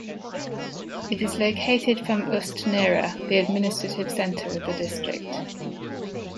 It is located from Ust-Nera, the administrative center of the district.